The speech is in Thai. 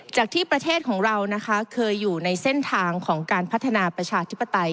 จากที่ประเทศของเรานะคะเคยอยู่ในเส้นทางของการพัฒนาประชาธิปไตย